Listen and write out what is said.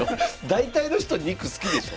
大体の人肉好きでしょ。